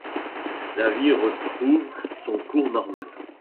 La vie retrouve son cours normal.